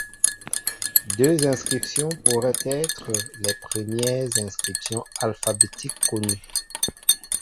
Deux inscriptions pourraient être les premières inscriptions alphabétiques connues.